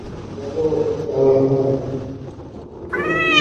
হেই, hey, ওর চোখের দিকে তাকিয়েন না।